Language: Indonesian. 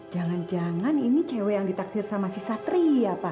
jangan jangan ini cewek yang ditaksir sama si satri apa